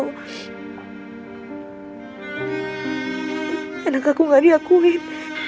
karena aku gak diakuin